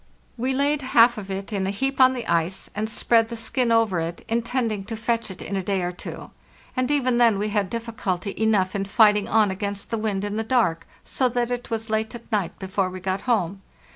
We laid half of it in a heap on the ice and spread the skin over it, intending to fetch it in a day or two; and even then we had diff culty enough in fighting on against the wind in the dark, so that it was late at night before we got home.